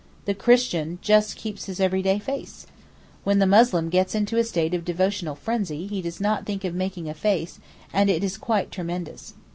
The Christian just keeps his everyday face. When the Muslim gets into a state of devotional frenzy he does not think of making a face, and it is quite tremendous.